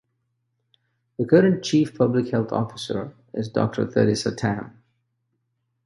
The current Chief Public Health Officer is Doctor Theresa Tam.